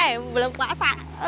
eh bulan puasa